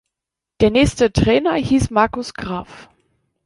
Der nächste Trainer hiess Markus Graf.